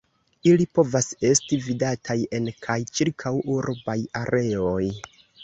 Ili povas esti vidataj en kaj ĉirkaŭ urbaj areoj.